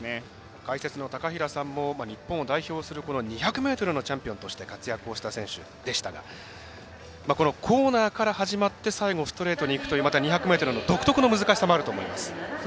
解説の高平さんも日本を代表するこの２００ｍのチャンピオンとして活躍をした選手でしたがコーナーから始まって最後ストレートにいくというまた２００ｍの独特の難しさあると思います。